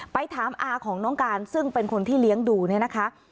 ไปถามอาของน้องการซึ่งเป็นคนที่เลี้ยงดูเนี่ยนะคะ